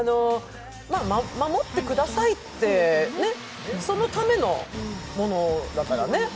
守ってくださいって、そのためのものだからね。